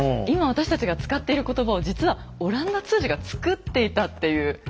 今私たちが使っている言葉を実は阿蘭陀通詞が作っていたっていう。